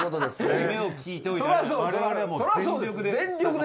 夢を聞いておいて我々も全力で。